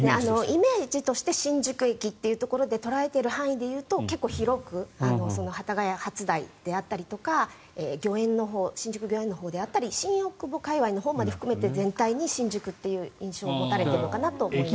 イメージとして新宿駅というところで捉えている範囲で言うと結構広く幡ヶ谷、初台であったりとか御苑のほうであったり新大久保界わいのほうまで含めて全体に新宿という印象を持たれているのかなと思います。